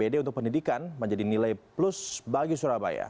pd untuk pendidikan menjadi nilai plus bagi surabaya